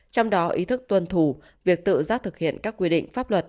trong đó ý thức tuân thủ việc tự giác thực hiện các quy định pháp luật